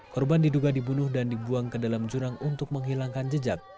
korban diduga dibunuh dan dibuang ke dalam jurang untuk menghilangkan jejak